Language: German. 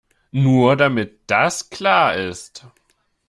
Nur, damit das klar ist.